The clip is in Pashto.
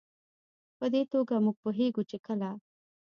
په دې توګه موږ پوهېږو چې کله